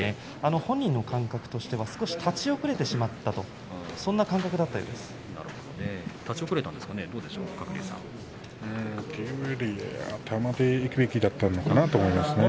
本人の感覚としては少し立ち遅れてしまったと立ち遅れたんでしょうかねというより頭でいくべきだったのかなと思いますね。